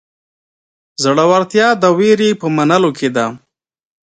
زړهورتیا د وېرې په منلو کې ده.